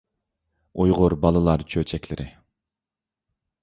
ئۇيغۇر بالىلار چۆچەكلىرى